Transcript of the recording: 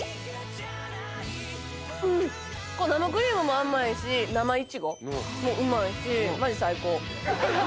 生クリームも甘いし生イチゴもうまいし。